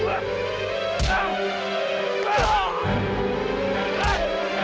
gak usah pake uang